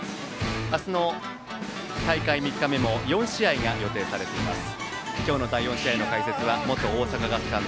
明日の大会３日目も４試合が予定されています。